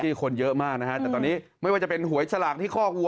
นี่คนเยอะมากนะฮะแต่ตอนนี้ไม่ว่าจะเป็นหวยสลากที่คอกวั